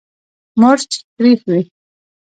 مرچ تریخ وي.